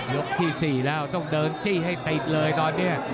ที่๔แล้วต้องเดินจี้ให้ติดเลยตอนนี้